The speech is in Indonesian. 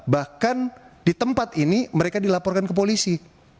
bahkan di tempat ini mereka dilaporkan ke polisi